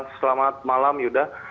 selamat malam yuda